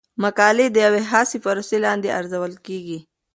مقالې د یوې خاصې پروسې لاندې ارزول کیږي.